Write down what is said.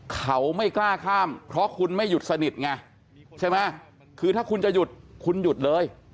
เขาไม่กล้าข้ามเพราะคุณไม่หยุดสนิทไงใช่ไหมคือถ้าคุณจะหยุดคุณหยุดเลย